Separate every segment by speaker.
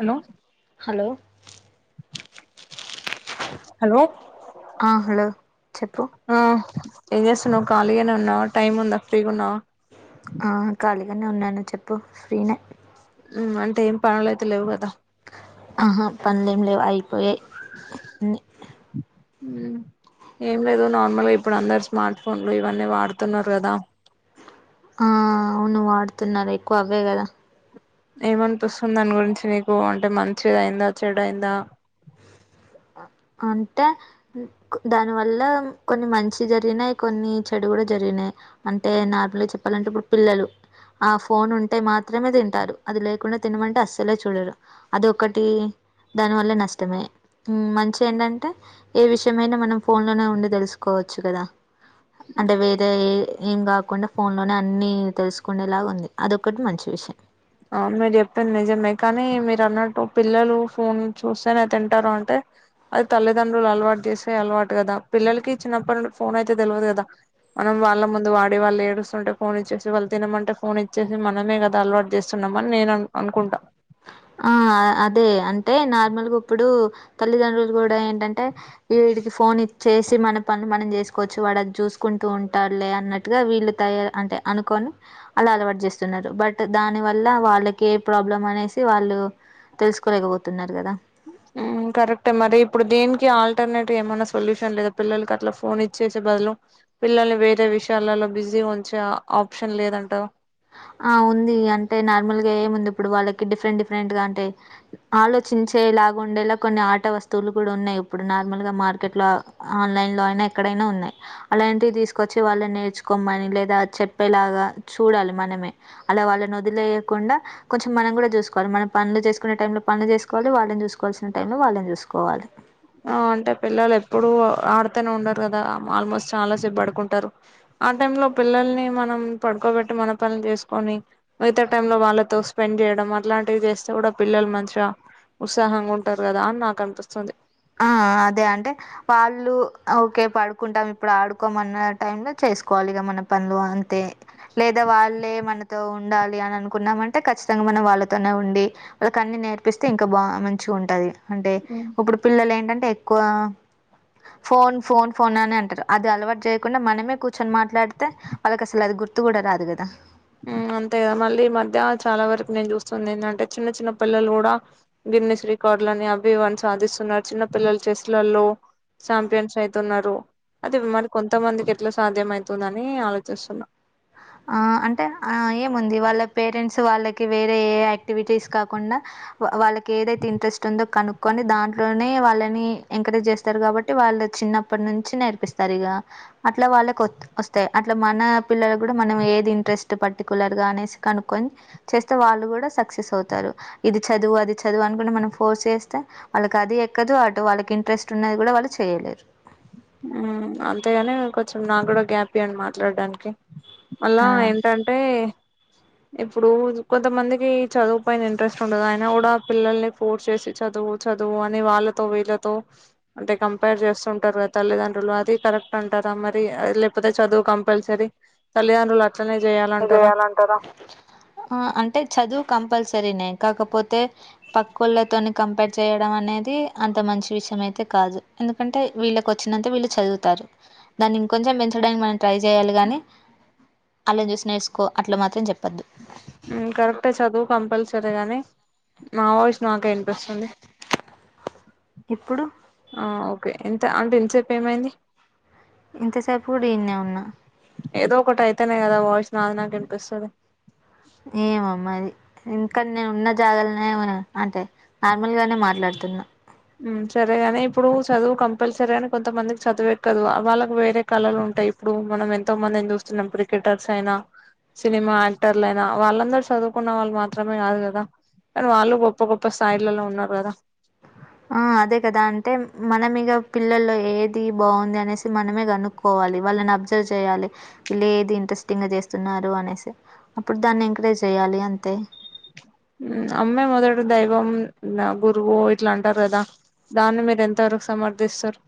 Speaker 1: Hello
Speaker 2: hello
Speaker 1: hello
Speaker 2: ఆ hello చెప్పు
Speaker 1: ఆ ఏం చేస్తున్నావ్ ఖాళీగానే ఉన్నావ టైమ్ ఉందా ఫ్రీగా ఉన్నావ
Speaker 2: ఆ ఖాళీగానే ఉన్నాను చెప్పు ఫ్రీనే
Speaker 1: అంటే ఏం పనులుయితే లేవు కదా
Speaker 2: ఆహా పనులే ఏం లేవు అయిపోయాయి ఊ
Speaker 1: ఉ ఏం లేదు నార్మల్ గా ఇప్పుడు అందరు స్మార్ట్ ఫోన్లు ఇవన్నీ వాడుతున్నారు కదా
Speaker 2: ఆ అవును వాడుతున్నారు ఎక్కువ అవే కదా
Speaker 1: ఏమనిపిస్తుంది దాని గురించి నీకు అంటే మంచిదయిందా చెడు అయిందా
Speaker 2: అంటే దానివల్ల కొన్ని మంచి జరిగినాయి కొన్ని చెడు కూడా జరిగినాయి అంటే నార్మల్ గా చెప్పాలంటే ఇప్పుడు పిల్లలు ఆ ఫోన్ ఉంటే మాత్రమే తింటారు అది లేకుండా తినమంటే అస్సలే చూడరు అదొక్కటి దాని వల్ల నష్టమే మంచి ఏంటంటే ఏ విషయమయినా మనం ఫోన్ లోనే ఉండి తెలుసుకోవచ్చు కదా అంటే వేరే ఏ ఏం కాకుండా ఫోన్ లోనే అన్ని తెలుసుకుండేలాగా ఉంది అదొకటి మంచి విషయం
Speaker 1: ఆ మీరు చెప్పింది నిజమే కానీ మీరు అన్నట్టు పిల్లలు ఫోన్ చూస్తేనే తింటారు అంటే అది తల్లిదండ్రులు అలవాటు చేసే అలవాటు కదా పిల్లలకి చిన్నప్పటి ఫోన్ అయితే తెలియదు కదా మనం వాళ్ళ ముందు వాడి వాళ్ళు ఏడుస్తుంటే ఫోన్ ఇచ్చేసి వాళ్ళు తినమంటే ఫోన్ ఇచ్చేసి మనమే కదా అలవాటు చేశామని నేను అనుకుంటున
Speaker 2: ఆ అదే అంటే నార్మల్ గా ఇప్పుడు తల్లిదండ్రులు కూడా ఏంటంటే వడికి ఫోన్ ఇచ్చేసి మన పనులు మనం చేసుకోవచ్చు వాడు అది చూసుకుంటూ ఉంటారులే అన్నట్టుగా వీళ్ళు తయ అంటే అనుకని అలా అలవాటు చేస్తున్నారు బట్ దాని వల్ల వాళ్ళకి ఏ ప్రాబ్లం అనే వాళ్ళు తెలుసుకోలేకపోతున్నారు కదా
Speaker 1: ఆ కరక్ట్ మరి ఇప్పుడు దీనికి ఆల్టర్నేట్ ఏమన్నా సొల్యూషన్ లేదా పిల్లలకి అట్లా ఫోన్ ఇచ్చేసే బదులు పిల్లల్ని వేరే విషయాలలో బిజీ ఉంచే ఆప్షన్ లేదంటారు
Speaker 2: ఆ ఉంది అంటే నార్మల్ గా ఏముంది ఇప్పుడు వాళ్ళకి డిఫరెంట్ డిఫరెంట్ గా అంటే ఆలోచించి చేలాగా ఉండేలా కొన్ని ఆట వస్తువులు కూడా ఉన్నాయి ఇప్పుడు నార్మల్ గా మార్కెట్ లో ఆన్లైన్ లో అయినా ఎక్కడ అలాంటివి తీసుకొచ్చి వాళ్ళ నేర్చుకోమని లేదా చెప్పేలాగా చూడాలి మన అలా వాళ్ళనొదీలేయకుండా కొంచెం మనం కూడా చూసుకోవాలి మనం పనులు చేసుకునే టైంలో పనులు చేసుకోవాలి వాళ్ళని చూసుకోవాలసిన టైంలో వాళ్ళని చూసుకోవాలి
Speaker 1: ఆ అంటే పిల్లలు ఎప్పుడు ఆడుతనే ఉండరు కదా ఆల్మోస్ట్ చాలా సేబ్ పడుకుంటరు ఆ టైమ్ లో పిల్లల్ని మనం పడుకోబెట్టి మన పనిలు చేసుకొని మిగతా టైం లో వాళ్ళతో స్పెండ్ చేయడం అట్లాంటివి చేస్తే కూడా పిల్లలు మంచిగా ఉత్సాహంగా ఉంటారు కదా అని నాకు అనిపిస్తుంది
Speaker 2: ఆ అదే అంటే వాళ్ళు ఓకే పడుకుంటాం ఇప్పుడు ఆడుకోమన్న టైమ్ లో తెలుసుకోవాలి గా మన పనులు అంతే లేదా వాళ్ళే మన ఉండాలి అని అనుకున్నామ అంటే ఖచ్చితంగా మనం వాళ్ళతోనే ఉండి వాళ్లకి అన్ని నేర్పిస్తే ఇంకా బాగా మంచి ఉంటది అంటే
Speaker 1: ఉమ్
Speaker 2: ఇప్పుడు పిల్లలు ఏంటంటే ఎక్కువ ఫోన్ ఫోన్ ఫోన్ అని అంటారు అది అలవాటు చేయకుండా మనమే కూర్చొని మాట్లాడితే వాళ్ళకి అసలు అది గుర్తు కూడా రాదు కదా
Speaker 1: ఆ అంతే కదా మళ్ళీ ఈ మధ్య చాలా వరకు నేను చూస్తుంది ఏందంటే చిన్న చిన్న పిల్లలు కూడా గిన్నీస్ రికార్డ్ పర్లని అవి ఇవని సాధిస్తున్నారు చిన్న పిల్లలు చేస్లలో చాంపియన్స్ అయితున్నారు అదే మరి కొంతమందికి ఎట్లా సాధ్యం అవుతుందని ఆలోచిస్తున్నా
Speaker 2: ఆ అంటే ఆ ఏముంది వాళ్ళ పేరెంట్స్ వాళ్ళకి వేరే ఎ యాక్టివిటీస్ కాకుండా వాళ్ళకి ఏదైతే ఇంట్రెస్ట్ ఉందో కనుక్కొని దాంట్లోనే వాళ్ళని ఎంకరేజ్ చేస్తారు కాబట్టి వా ళ్ళ చిన్నప్పటి నుంచి నేర్పిస్తారు ఇగ అట్లా వాళ్ళకు వస్తాయి అట్లా మన పిల్ల కూడా మనం ఏది ఇంట్రెస్ట్ పర్టికులర్ గా అనేసి కనుక్కొని చేస్తే వాళ్ళు కూడా సక్సెస్ అవుతారు ఇది చదువు అది చదువు అనుకుంటే మనం ఫోర్స్ చేస్తే వాళ్ళకి అది ఎక్కదు అటు వాళ్ళకి ఇంట్రెస్ట్ ఉన్నది కూడా వాళ్ళు చేయలేరు
Speaker 1: ఉమ్ అంతేగాని కొంచెం నాకు కూడా గ్యాప్ ఇవ్వండి మాట్లాడడానికి మళ్ళా
Speaker 2: ఆ!
Speaker 1: ఏంటంటే ఇప్పుడు కొంతమందికి చదువు పయిన ఇంట్రెస్ట్ ఉండదు ఆయన కూడా పిల్లల్ని ఫోర్స్ చేసి చదు చదువు చదువు అని వాళ్ళతో వీళ్ళతో అంటే కంపేర్ చేస్తుంటారు తల్లిదండ్రులు అది కరెక్ట్ అంటారా మరి అ లేకపోతే చదువు కంపల్సరీ తల్లిదండ్రుల
Speaker 2: జేయాలంటరా ఆ అంటే చదువు కంపల్స సరేనే కాకపోతే పక్కుళ్లతోనే కంపేర్ చేయడం అనేది అంత మంచి విషయం అయితే కాదు ఎందుకంటే వీళ్ళకి వచ్చినంతే వీళ్ళు చదువుతారు దాన్ని ఇంకొంచెం పెంచడానికి మనం ట్రై చేయాలి గాని అల్లని చూసి నేసుకో అట్లా మాత్రం చెప్పొద్దు
Speaker 1: ఉమ్ కరెక్టే ఎ చదువు కంపల్సరీ గాని నా వాయిస్ నాకే వినిపిస్తుంది
Speaker 2: ఇప్పుడు
Speaker 1: ఆ ఓకే ఎంత అంటే ఇంతసేపు ఏమైంది
Speaker 2: ఇంతసేపు కూడా ఇన్నే ఉన్నా
Speaker 1: ఏదో ఒకటి అయితేనే కదా వాయిస్ నాది నాకే వినిపిస్తది
Speaker 2: ఏమో మరి ఇంకా నేను ఉన్న జాగాలనే ఉన్నా అంటే నార్మల్ గానే మాట్లాడుతున్నా
Speaker 1: సరేగాని ఇప్పుడు చదువు కంపల్సరీ అని కొంత మందికి చదువు ఎక్కదు వాళ్ళకి వేరే కళలు ఉంటాయి ఇప్పుడు మనం ఎంతో మందిని చూస్తున్నాం క్రికెటర్స్ అయినా సినిమా యాక్టర్లయినా వాళ్ళందరూ చదువుకున్న వాళ్ళు మాత్రమే కాదు కదా కానీ వాళ్ళు గొప్ప గొప్ప స్థాయిలలో ఉన్నారు కదా
Speaker 2: ఆ అదే కదా అంటే మనం ఇగ పిల్లల్లో ఏది బాగుంది అనేసి మనమే కనుక్కోవాలి వాళ్ళని అబ్జర్వ్ చేయాలి వీళ్ళు ఏది ఇంట్రెస్టింగ్ గా చేస్తున్నారు అనేసి అప్పుడు దాన్ని ఎంకరేజ్ చెయ్యాలి అంతే
Speaker 1: ఉమ్ అమ్మే మొదటి దైవం గురువు ఇట్లా అంటారు కదా దాన్ని మీరు ఎంత వరకు సమర్దిస్తారు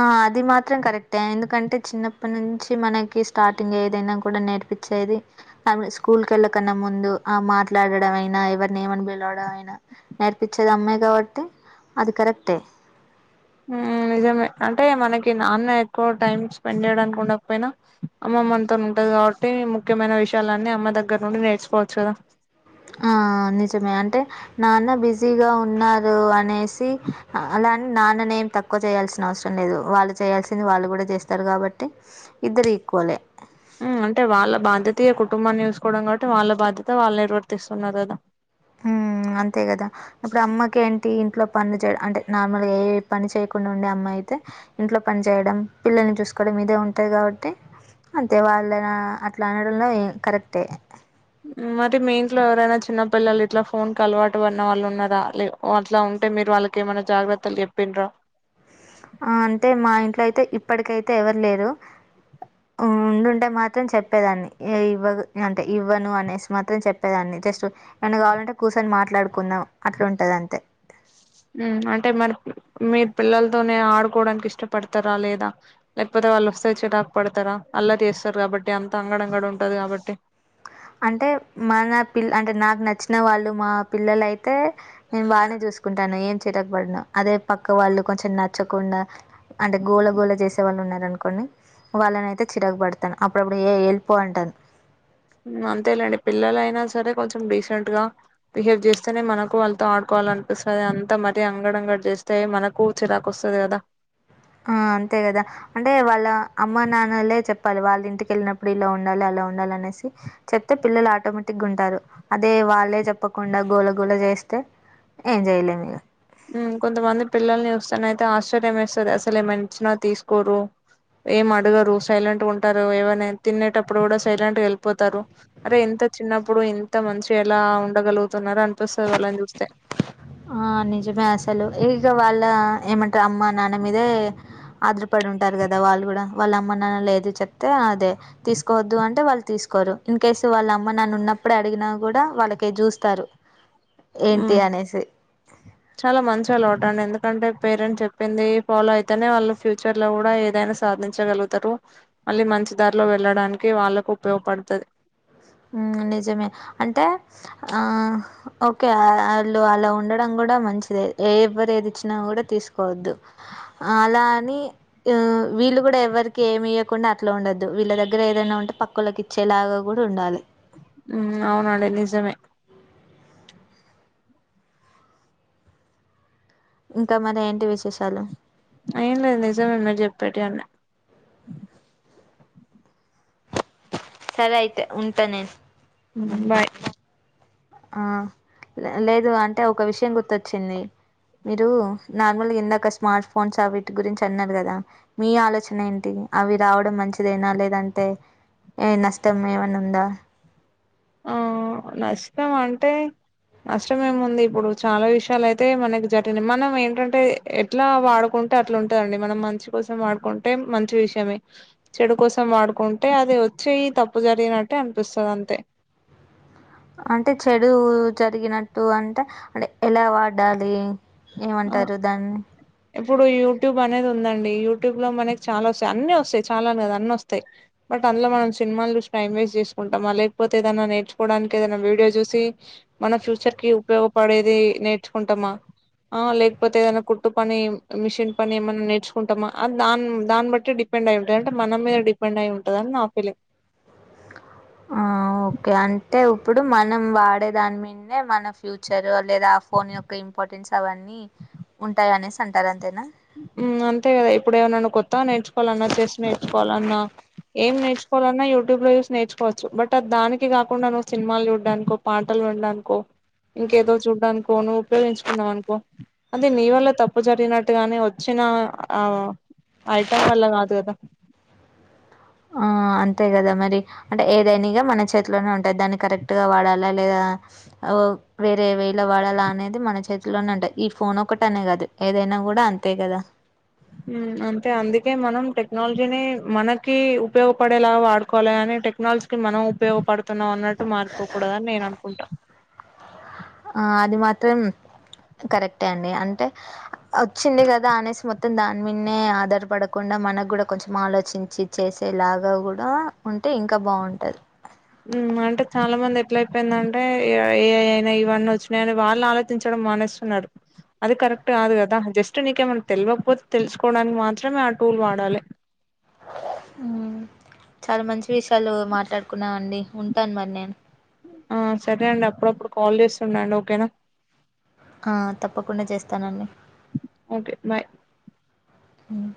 Speaker 2: ఆ అది మాత్రం కరెక్టే ఎందుకంటే చిన్నప్పటి నుంచి మనకి స్టార్టింగ్ ఏదైనా కూడా నేర్పి పించేది స్కూల్ కి వెళ్కన్నా ముందు ఆ మాట్లాడడం అయినా ఎవరిని ఏమని పిలవడం అయి నా నేర్పించేది అమ్మాయి కాబట్టి అది కరెక్టే
Speaker 1: ఉమ్ నిజమే అంటే మనకి నాన్న ఎక్కువ టైం స్పెండ్ చేయడానికి ఉండకపోయినా అమ్మ మనతోనే ఉంటది కాబట్టి ముఖ్యమైన విషయాలన్నీ అమ్మ దగ్గర నుండి నేర్చుపోవచ్చు
Speaker 2: ఆ నిజమే అంటే నాన్న బిజీగా ఉన్నారు అనేసి ఆ గాని నాన్ననే ఏం తక్కువ చేయాల్సిన అవసరం లేదు వాళ్ళు చేయాల్సింది వాళ్ళు కూడా చేస్తారు కాబట్టి ఇద్దరు ఈక్వల్ ఎ
Speaker 1: ఉమ్ అంటే వాళ్ళ బాధ్యత ఏ కుటుంబాన్ని చూసుకోవడం కాబట్టి వాళ్ళ బాధ్యత వాళ్ళు నిర్వర్తిస్తున్నారు కదా
Speaker 2: ఉమ్ అంతే కదా ఇప్పుడు అమ్మకు ఏంటి ఇంట్లో పనులు చేయడం అంటే నార్మల్ గా ఏ పని చేయకుండా ఉండే అమ్మాయి అయితే ఇంట్లో పని చేయడం పిల్లల్ని చూసుకోవడం మీదే ఉంటాంది కాబట్టి అంతే వాళ్ళని అట్లా అనడంలో కరెక్టే
Speaker 1: మరి మీ ఇంట్లో ఎవరైనా చిన్నపిల్లలు ఇట్లా ఫోన్ కి అలవాటు పడినవాళ్ళు ఉన్నార లేవ్ ఆ అట్లా అంటే మీరు వాళ్ళకి ఏమన్నా జాగ్రత్తలు చెప్పిండ్రా
Speaker 2: ఆ అంటే మా ఇంట్లో అయితే ఇప్పటికైతే ఎవ్వరు లేరు ఆ ఉండుంటే మాత్రం చెప్పేదాన్ని ఏ ఇవ్వదు అంటే ఇవ్వను అనేసి మాత్రం చెప్పేదాన్ని జస్ట్ ఏమన్న కావాలంటే కూర్చొని మాట్లాడుకుందాం అట్లాంటది అంతే
Speaker 1: స అంటే మరి మీరు పిల్లలతోనే ఆడుకోవడానికి ఇష్టపడతారా లేదా లేకపోతే వాళ్ళు వస్తే చిరాక్ పడతారా అల్లరి చేస్తారు కాబట్టి అంత అంగడ అంగడ ఉంటాది కాబట్టి
Speaker 2: అంటే మన పిల్ అంటే నాకు నచ్చిన వాళ్ళు మా పిల్లలు అయితే నేను బాగానే చూసుకుంటాను ఏం చిరాకు పడను అదే పక్క వాళ్ళు కొంచెం నచ్చకుండా అంటే గోళ గోళ చేసే వాళ్ళు ఉన్నారు అనుకోని వాళ్ళను అయితే చిరాకు పడతాను అప్పుడప్పుడు ఏయ్ వెళ్ళిపో అంటాను
Speaker 1: అంతేలేండి పిల్లలు అయినా సరే కొంచెం డీసెంట్ గా బిహేవ్ చేస్తేనే మనకు వాళ్ళతో ఆడుకోవాల అంతా మరి అంగడంగడి చేస్తే మనకు చిరాకు వస్తాది కదా
Speaker 2: ఆ అంతే కదా అంటే వాళ్ళ అమ్మ నాన్నలే చెప్పాలి వాళ్ళ ఇంటికెళ్ళినప్పుడు ఇలా ఉండాలి అలా ఉండాలనేసి చెప్తే పిల్లలు ఆటోమేటిక్ గా ఉంటారు అదే వాళ్ళే చెప్పకుండా గోలగోల చే చేస్తె ఏం చేయలేం ఇగ
Speaker 1: మ్మ్ కొంతమంది పిల్లల్ని చూస్తానయితే ఆశ్చర్యం వేస్తాది అసలు ఏమన్నా ఇచ్చిన తీసుకోరు ఏం అడగరు సైలెంట్ గా ఉంటారు ఏవన్నా తినేటప్పుడు కూడా సైలెంట్ గా వెళ్ళిపోతారు అరే ఇంత చిన్నప్పుడు ఇంత మంచిగా ఎలా ఉండగలుగుతున్నారో అనిపిస్తాది వాళ్ళని చూస్తే
Speaker 2: ఆ నిజమే అసలు ఇక వాళ్ళ ఏమంటారు అమ్మ నాన్న మీదే ఆధార పొడి ఉంటారు కదా వాళ్ళు కూడా వాళ్ళ అమ్మ నాన్నాలు ఏది చెప్తే అదే తీసుకోవద్దు అంటే వాళ్ళు తీసుకోరు ఇన్ కేస్ వాళ్ళ అమ్మ నాన్నా ఉన్నప్పుడే అడిగినా కూడా వాళ్ళకేసి చూస్తారు ఏంటి
Speaker 1: ఉమ్,
Speaker 2: అనేసి
Speaker 1: చాలా మంచి అలవాట మరి ఎందుకంటే పేరెంట్స్ చెప్పింది ఫాలో అయితేనే వాళ్ళు ఫ్యూచర్ లో కూడా ఏదైనా సాధించగలుగుతారు మళ్ళీ మంచిదారిలో వెళ్ళడానికి వాళ్లకు ఉపయోగపడుతాది
Speaker 2: నిజమే అంటే ఆ ఓకే వాళ్ళు అలా ఉండడం కూడా కూడా మంచిదే ఎవరు ఏది ఇచ్చినా కూడా తీసుకోవద్దు అలాని వీళ్ళు కూడా ఎవరికి ఏమి ఇయ్యకుండా అట్లా ఉండద్దు వీళ్ళ దగ్గర ఏదన్నా ఉంటే పక్కళ్ళకీ ఇచ్చేలాగా కూడా ఉండాలి
Speaker 1: మ్మ్ అవునండి నిజమే
Speaker 2: ఇంకా మరి ఏంటి విశేషాలు
Speaker 1: ఏం లేదు నిజమే మీరు చెప్పెటివి అన్ని
Speaker 2: సరే అయితే ఉంటా నేను
Speaker 1: బాయ్
Speaker 2: ఆ లేదు అంటే ఒక విషయం గుర్తొచ్చింది మీరు నార్మల్ గా ఇందాక స్మార్ట్ ఫోన్స్ అ వీటి గురించి అన్నారు కదా మీ ఆలోచన ఏంటి అవి రావడం మంచిదేనా లేదంటే నష్టం ఏమన్నా ఉందా
Speaker 1: ఆ నష్టం అంటే నష్టం ఏముంది ఇప్పుడు చాలా విషయాలు అయితే మనకి జరిగినాయ్ మనం ఏంటంటే ఎట్లా వాడుకుంటు ఉంటే అట్లా ఉంటందండి మనం మంచి కోసం వాడుకుంటే మంచి విషయమే చెడు కోసం వాడుకుంటే అది వచ్చి తప్పు జరిగినట్టే అనిపిస్తాది అంతే
Speaker 2: అంటే చెడు జరిగినట్టు అంటే అంటే ఎలా వాడాలి
Speaker 1: ఆ
Speaker 2: ఏమంటారు దాన్ని
Speaker 1: ఇప్పుడు యూట్యూబ్ అనేది ఉందండి యూట్యూబ్ లో మనకి చాలా వస్తాయి, అన్నీ వస్తాయి చాలా అనే కాదు అన్నీ వస్తాయి. బట్ అందులో మనం సినిమాలు చూసి టైం వేస్ట్ చేసుకుంటామా లేకపోతే ఏదైనా నేర్చుకోవడానికి ఏదైనా వీడియో చూసి మన ఫ్యూచర్ కి ఉపయోగపడేది నేర్చుకుంటమా ఆ లేకపోతే ఏదన్నా కుట్టు పని మిషన్ పని ఏమైన్నా నేర్చుకుంటామా అని దాన్ దాన్ని బట్టి డిపెం డ్ అయి ఉంటది అంటే మన మీద డిపెండ్ అయి ఉంటది అని నా ఫీలింగ్
Speaker 2: ఆ ఓకే అంటే ఇప్పుడు మనం వాడే దాని మీందే మన ఫ్యూచర్ లేదా ఆ ఫోన్ యొక్క ఇంపార్టెన్స్ అవన్నీ ఉంటాయి అనేసి అంటారు అం
Speaker 1: ఉమ్ అంతే కదా ఇప్పుడు ఏమనన్నా కొత్తగా నేర్చుకోవాలన్నా చెస్ నేర్చుకోవాలన్నా ఏం నేర్చుకోవాలన్నా యూట్యూబ్ లో చూసి నేర్చుకోవచ్చు బట్ అది దానికి కాకుండా నువ్వు సినిమాలు చూడ్డానికో పా టలు వండానుకో ఇంకేదో చూడ్డానుకో నువ్వు ఉపయోగించుకున్నావనుకో అంటే నీ వల్ల తప్పు జరిగిన ట్టుగానే వచ్చిన ఆ ఐటం వల్ల కాదు కదా
Speaker 2: ఆ ఆ అంతే కదా మరి అంటే ఏదైనిగా మన చేతిలోనే ఉంటాది, దాన్ని కరెక్ట్ గా వాడాలా లేదా ఓ వేరే వే లో వాడాల అనేది మన చేతిలోనే ఉంటాది ఈ ఫోన్ ఒకటి అనే కాదు ఏదైనా కూడా అం తే గదా
Speaker 1: హ్మ్ అంతే అందుకే మనం టెక్నాలజీని మనకి ఉపయోగపడేలాగా వాడుకోవాలే గాని టెక్నాలజీకిి మనం ఉపయోగపడుతున్నాం అన్నట్టు మారిపోకూడదు అని నేను అనుకుంటా
Speaker 2: ఆ అది మాత్రం కరెక్టే అండి అంటే వచ్చింది కదా అనేసి మొత్తం దాన్నిమీన్నే ఆధారపడకుండా మనక్కూడా కొంచెం ఆలోచించి చేసేలాగా కూడా ఉంటే ఇంకా బాగుంటది
Speaker 1: మ్మ్ అంటే చాలా మంది ఎట్ల అయిపోయింది అంటే ఇగ, ఏఐ అయినా ఇవన్నీ వచ్చినాయని వాళ్ళు ఆలోచించడం మానేస్తున్నారు అది కరెక్ట్ కాదు కదా జస్ట్ నీకేమన్నా తెలివకపోతే తెలుసుకోవడానికి మాత్రమే ఆ టూల్ వాడాలి.
Speaker 2: హ్మ్ చాలా మంచి విషయాలు మాట్లాడుకున్నాం అండి ఉంటాను మరి నేను
Speaker 1: ఆ సరే అండి అప్పుడప్పుడు కాల్ చేస్తుండండి ఓకేనా
Speaker 2: ఆ తప్పకుండా చేస్తానండి
Speaker 1: ఓకే బాయ్
Speaker 2: హ్మ్